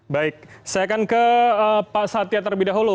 baik saya akan ke pak satya terlebih dahulu